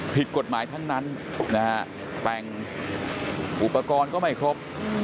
ผิดกฎหมายทั้งนั้นนะฮะแต่งอุปกรณ์ก็ไม่ครบ